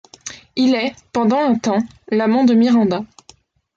Il est, pendant un temps, l'amant de Miranda.